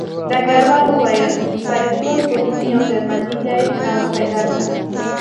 ډګروال وویل فریدګل په نوم یو جرمنی دی هغه پیدا کړه